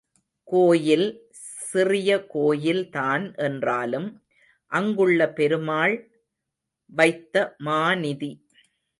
கோயில் சிறிய கோயில் தான் என்றாலும், அங்குள்ள பெருமாள் வைத்தமாநிதி.